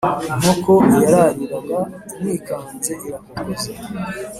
inkoko yarariraga imwikanze irakokoza.